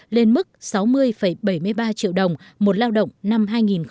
lên mức sáu mươi bảy mươi ba triệu đồng một lao động năm hai nghìn một mươi chín